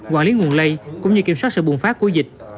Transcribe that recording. quản lý nguồn lây cũng như kiểm soát sự bùng phát của dịch